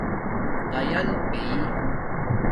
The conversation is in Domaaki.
دَیل پئئ